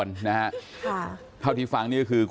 ลองฟังเสียงช่วงนี้ดูค่ะ